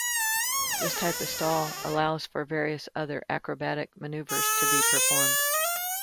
This type of stall allows for various other acrobatic maneuvers to be performed.